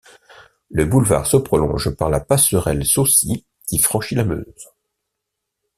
Le boulevard se prolonge par la passerelle Saucy qui franchit la Meuse.